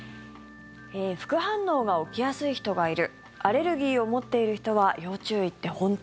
副反応が起きやすい人がいるアレルギーを持っている人は要注意って本当？